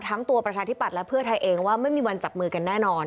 ทั้งตัวประชาธิบัตย์และเพื่อไทยเองว่าไม่มีวันจับมือกันแน่นอน